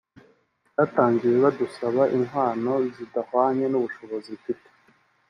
batangiye badusaba inkwano zidahwanye n’ubushozi mfite